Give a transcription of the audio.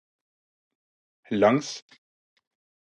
langs